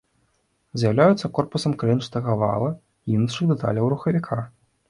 З'яўляецца корпусам каленчатага вала і іншых дэталяў рухавіка.